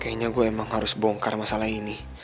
kayaknya gue emang harus bongkar masalah ini